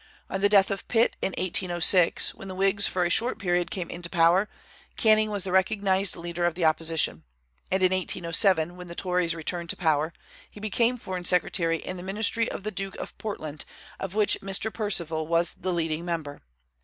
On the death of Pitt, in 1806, when the Whigs for a short period came into power, Canning was the recognized leader of the opposition; and in 1807, when the Tories returned to power, he became foreign secretary in the ministry of the Duke of Portland, of which Mr. Perceval was the leading member.